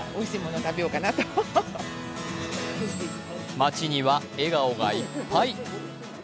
街には笑顔がいっぱい。